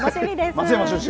松山出身。